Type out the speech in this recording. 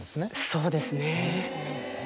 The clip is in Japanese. そうですね。